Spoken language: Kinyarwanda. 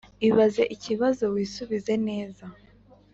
ibaze ikibazo wisubize neza